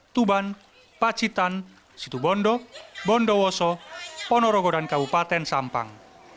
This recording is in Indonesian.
tuban pacitan situ bondo bondowoso ponorogo dan kabupaten sampang